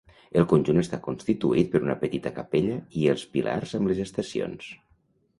El conjunt està constituït per una petita capella i els pilars amb les estacions.